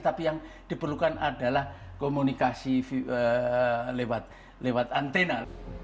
tapi yang diperlukan adalah komunikasi lewat antena